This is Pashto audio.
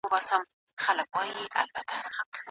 یو څو غمازي سترګي مي لیدلي دي په شپه کي